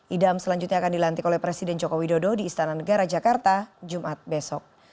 idam selanjutnya akan dilantik oleh presiden joko widodo di istana negara jakarta jumat besok